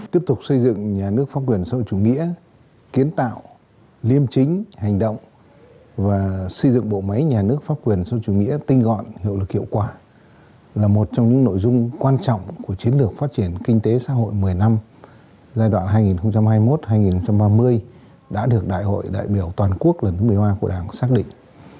tiếp tục xây dựng nhà nước pháp quyền xã hội chủ nghĩa kiến tạo liêm chính hành động và xây dựng bộ máy nhà nước pháp quyền xã hội chủ nghĩa tinh gọn hiệu lực hiệu quả là một trong những nội dung quan trọng của chiến lược phát triển kinh tế xã hội một mươi năm giai đoạn hai nghìn hai mươi một hai nghìn ba mươi đã được đại hội đại biểu toàn quốc lần thứ một mươi hai của đảng xác định